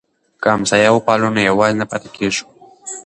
که همسایه وپالو نو یوازې نه پاتې کیږو.